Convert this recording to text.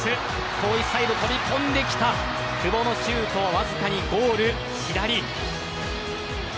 遠いサイド飛び込んできた久保のシュートわずかにゴール左。